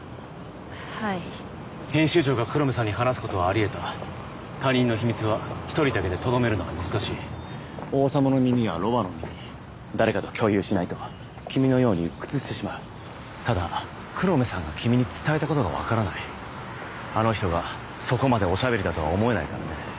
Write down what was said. はい編集長が黒目さんに話すことはありえた他人の秘密は１人だけでとどめるのは難しい王様の耳はロバの耳誰かと共有しないと君のようにうっ屈してしまうただ黒目さんが君に伝えたことがわからないあの人がそこまでおしゃべりだとは思えないからね